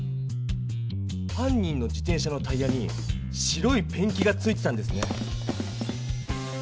犯人の自転車のタイヤに白いペンキがついてたんですね。